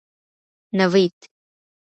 نوید